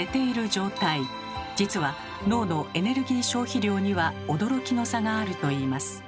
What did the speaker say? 実は脳のエネルギー消費量には驚きの差があるといいます。